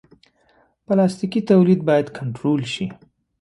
پلاستيکي تولید باید کنټرول شي.